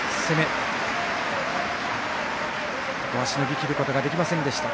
それをしのぎきることができませんでした。